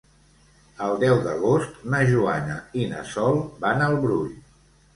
El deu d'agost na Joana i na Sol van al Brull.